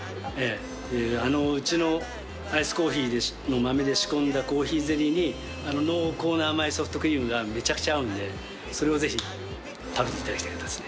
うちのアイスコーヒーの豆で仕込んだコーヒーゼリーに濃厚な甘いソフトクリームがめちゃくちゃ合うんでそれをぜひ食べていただきたかったですね。